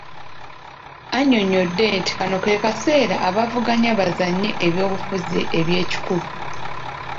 Annyonnyodde nti kano ke kaseera abaavuganya bazannye ebyobufuzi eby'ekikulu